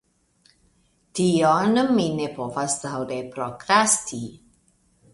Tion ni ne povas daŭre prokrasti!